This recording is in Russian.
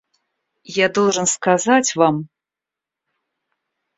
Я должен сказать вам...